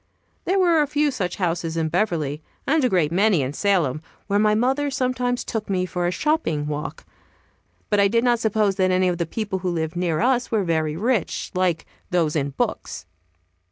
There were a few such houses in Beverly, and a great many in Salem, where my mother sometimes took me for a shopping walk. But I did not suppose that any of the people who lived near us were very rich, like those in books.